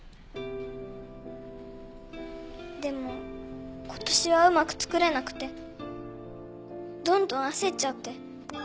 でも今年はうまく作れなくてどんどん焦っちゃって。